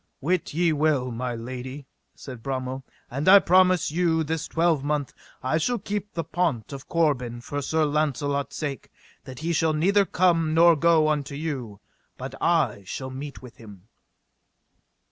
Wit ye well, my lady, said Bromel, and I promise you this twelvemonth I shall keep the pont of Corbin for Sir Launcelot's sake, that he shall neither come nor go unto you, but I shall meet with him.